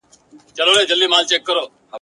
افغانان غواړي په یوه لوی پارک کي ..